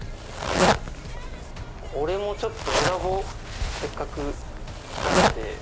俺も選ぼうせっかく来たんで。